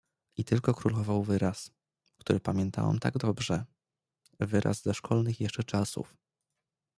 "I tylko królował wyraz, który pamiętałem tak dobrze, wyraz ze szkolnych jeszcze czasów."